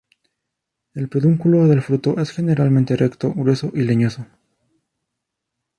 El pedúnculo del fruto es generalmente recto, grueso y leñoso.